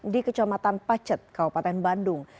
di kecamatan pacet kabupaten bandung